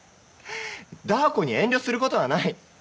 ダー子に遠慮することはない。